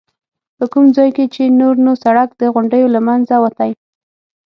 په کوم ځای کې چې نور نو سړک د غونډیو له منځه وتی.